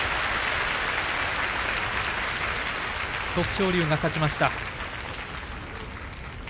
徳勝龍が勝ちました。